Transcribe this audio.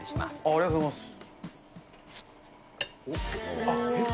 ありがとうございます。